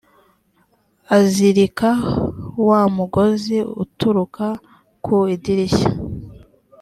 azirika wa mugozi utukura ku idirishya.